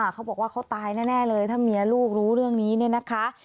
เขาบอกว่าเขาตายแน่เลยถ้าเมียลูกรู้เรื่องนี้เนี่ยนะคะ